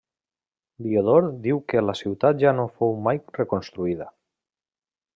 Diodor diu que la ciutat ja no fou mai reconstruïda.